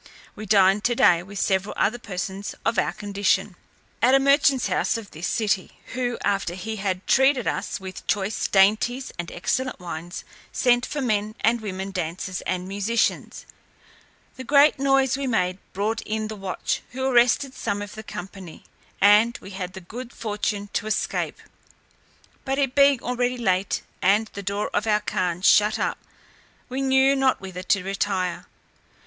We dined today with several other persons of our condition, at a merchant's house of this city; who, after he had treated us with choice dainties and excellent wines, sent for men and women dancers, and musicians. The great noise we made brought in the watch, who arrested some of the company, and we had the good fortune to escape: but it being already late, and the door of our khan shut up, we knew not whither to retire.